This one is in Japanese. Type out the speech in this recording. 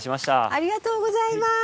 ありがとうございます。